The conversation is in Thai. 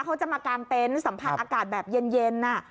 เขาจะมากางเต็นต์สัมผัสอากาศแบบเย็น